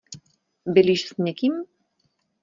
Bydlíš s někým?